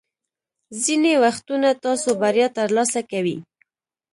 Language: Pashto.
ځینې وختونه تاسو بریا ترلاسه کوئ.